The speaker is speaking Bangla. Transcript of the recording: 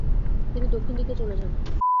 তিনি দক্ষিণ দিকে চলে যান।